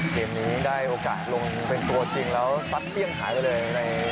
เกมนี้ได้โอกาสลงเป็นตัวจริงแล้วฟัดเปรี้ยงหายไปเลย